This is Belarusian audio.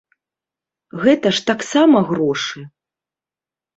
Гэта ж таксама грошы.